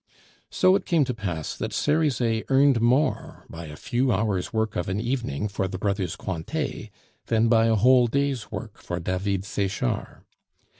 So it came to pass that Cerizet earned more by a few hours' work of an evening for the brothers Cointet than by a whole day's work for David Sechard.